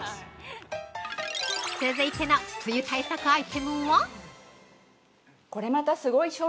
続いての梅雨対策アイテムは◆